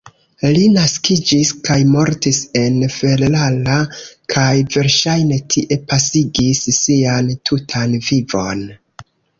Li naskiĝis kaj mortis en Ferrara, kaj verŝajne tie pasigis sian tutan vivon.